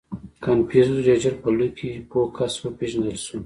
• کنفوسیوس ډېر ژر په لو کې پوه کس وپېژندل شو.